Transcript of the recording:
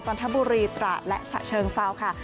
จนทะบุรีตราและชะเชิงเศร้าค่ะ